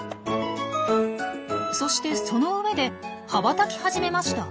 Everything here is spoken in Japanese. そしてその上で羽ばたき始めました。